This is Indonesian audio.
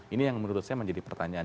ini yang menurut saya menjadi pertanyaan